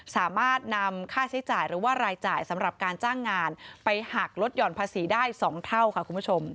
สามารถนำค่าใช้จ่ายหรือว่ารายจ่ายสำหรับการจ้างงานไปหักลดหย่อนภาษีได้๒เท่าค่ะคุณผู้ชม